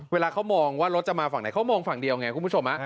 เวลาเขามองว่ารถจะมาฝั่งไหนเขามองฝั่งเดียวไงคุณผู้ชม